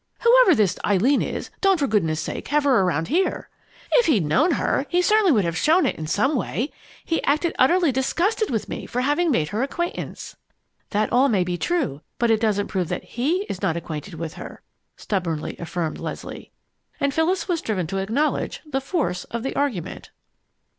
Whoever this Eileen is, don't for goodness sake have her around here!' If he'd known her, he certainly would have shown it in some way. He acted utterly disgusted with me for having made her acquaintance!" "That may all be true, but it doesn't prove that he is not acquainted with her," stubbornly affirmed Leslie. And Phyllis was driven to acknowledge the force of the argument!